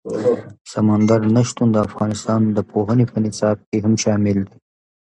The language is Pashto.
سمندر نه شتون د افغانستان د پوهنې په نصاب کې هم شامل دي.